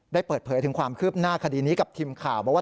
เปิดเผยถึงความคืบหน้าคดีนี้กับทีมข่าวบอกว่า